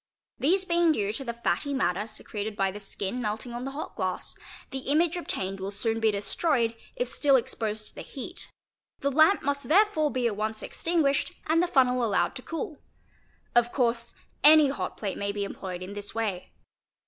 These being due to the fatty matter secreted by the skin melting on the hot glass, the image obtained will soon be destroyed if still exposed to the heat; the lamp must therefore be at once extinguished and the fun nel allowed to cool. Of course any hot plate may be employed in this way.